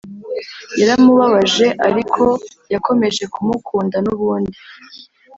Yaramubabaje ariko yakomeje kumukunda nubundi’